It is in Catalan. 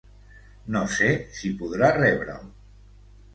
No sé si podrà rebre'l.